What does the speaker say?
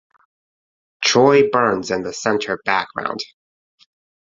Troy burns in the centre background.